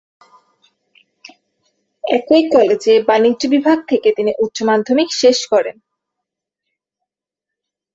একই কলেজে বাণিজ্য বিভাগ থেকে তিনি উচ্চ-মাধ্যমিক শেষ করেন।